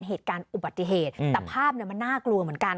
เหตุการณ์อุบัติเหตุแต่ภาพเนี่ยมันน่ากลัวเหมือนกัน